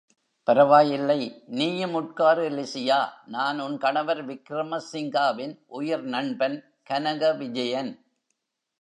பரவாயில்லை நீயும் உட்காரு லிசியா, நான் உன் கணவர் விக்ரம சிங்காவின் உயிர் நண்பன் கனக விஜயன்.